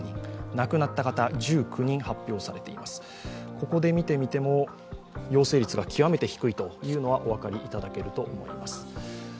ここで見てみても陽性率が極めて低いというのがお分かりいただけると思います。